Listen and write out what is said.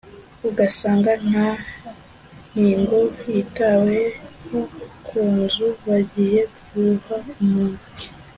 ugasanga nta nyigo yitaweho ku nzu bagiye guha umuntu